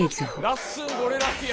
ラッスンゴレライや。